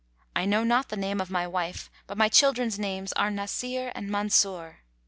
I know not the name of my wife[FN#142] but my children's names are Násir and Mansúr."